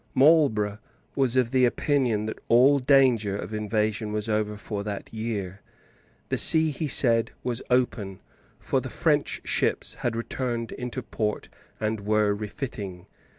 Marlborough was of opinion that all danger of invasion was over for that year. The sea, he said, was open; for the French ships had returned into port, and were refitting.